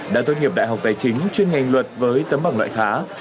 đã tốt nghiệp đại học tài chính chuyên ngành luật với tấm bằng loại khá